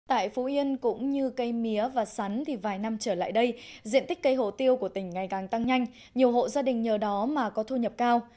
tại phú yên cũng như cây mía và sắn thì vài năm trở lại đây diện tích cây hổ tiêu của tỉnh ngày càng tăng nhanh nhiều hộ gia đình nhờ đó mà có thu nhập cao